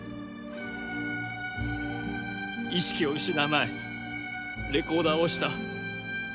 意識を失う前レコーダーを押した。